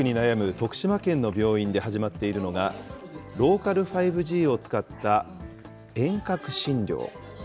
徳島県の病院で始まっているのが、ローカル５Ｇを使った遠隔診療。